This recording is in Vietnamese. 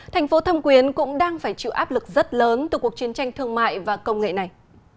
thành phố thâm quyến cũng đang phải chịu áp lực rất lớn từ cuộc chiến tranh thương mại và công nghệ này